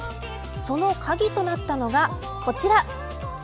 その鍵となったのが、こちら。